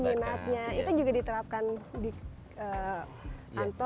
minatnya itu juga diterapkan di kantor